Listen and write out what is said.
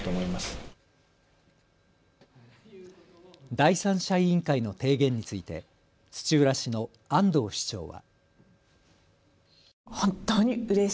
第三者委員会の提言について土浦市の安藤市長は。